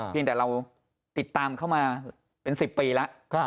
ยังแต่เราติดตามเข้ามาเป็น๑๐ปีแล้ว